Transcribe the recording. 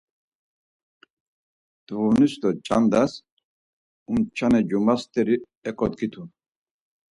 Duğunis do ç̌andas umçane cuma steri eǩodgitu.